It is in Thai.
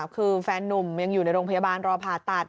คือแฟนนุ่มยังอยู่ในโรงพยาบาลรอผ่าตัด